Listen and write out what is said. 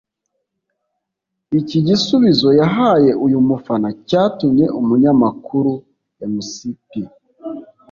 Iki gisubizo yahaye uyu mufana cyatumye umunyamakuru Mc P